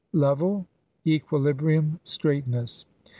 Level (?). Equilibrium, straightness.